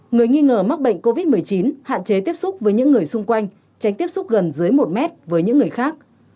người nghi ngờ mắc bệnh covid một mươi chín hạn chế tiếp xúc với những người xung quanh tránh tiếp xúc gần dưới một mét với những người khác